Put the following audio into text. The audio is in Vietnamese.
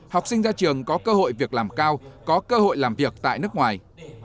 học sinh ra trường có cơ hội việc làm cao có cơ hội làm việc tại nước ngoài